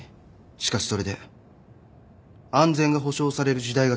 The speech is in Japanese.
しかしそれで安全が保障される時代が来ます。